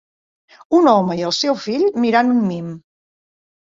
Un home i el seu fill mirant un mim.